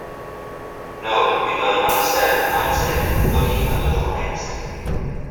‘No, you don’t understand,’ the Knight said, looking a little vexed.